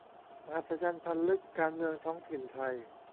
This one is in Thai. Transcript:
มหัศจรรย์พันลึก การเมืองท้องถิ่นไทย